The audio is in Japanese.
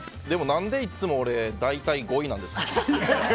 何で、いつも俺大体５位なんですか？